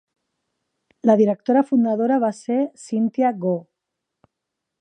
La directora fundadora va ser Cynthia Goh.